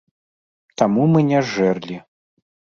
Таму мы не зжэрлі.